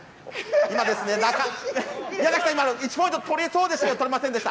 今ですね、宮崎さん、今１ポイント、取れそうでしたが、取れませんでした。